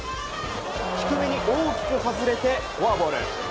低めに大きく外れてフォアボール。